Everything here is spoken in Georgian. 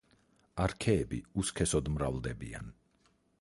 არქეები უსქესოდ მრავლდებიან.